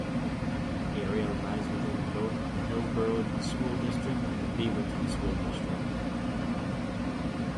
The area lies within both the Hillsboro School District and the Beaverton School District.